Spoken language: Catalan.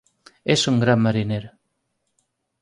És un gran mariner.